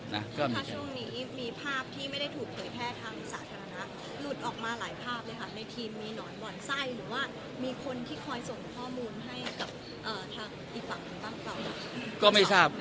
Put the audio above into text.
ถ้าช่วงนี้มีภาพที่ไม่ได้ถูกเผยแพร่ทางสาธารณะหลุดออกมาหลายภาพเลยค่ะในทีมมีหนอนบ่อนไส้หรือว่ามีคนที่คอยส่งข้อมูลให้กับทางอีกฝั่งหนึ่งบ้างเปล่าก็ไม่ทราบ